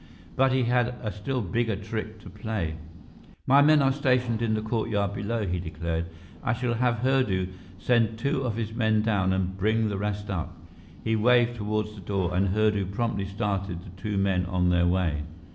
But he had a still bigger trick to play. "My men are stationed in the courtyard below," he declared. "I shall have Hurdu send two of his men down and bring the rest up." He waved toward the door, and Hurdu promptly started the two men on their way.